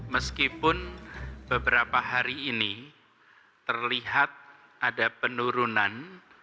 meskipun beberapa hari ini terlihat ada penurunan